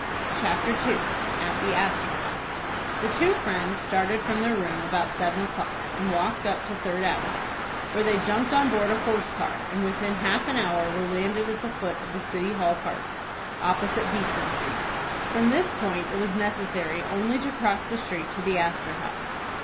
CHAPTER II. AT THE ASTOR HOUSE. The two friends started from their room about seven o'clock, and walked up to Third Avenue, where they jumped on board a horse car, and within half an hour were landed at the foot of the City Hall Park, opposite Beekman Street. From this point it was necessary only to cross the street to the Astor House.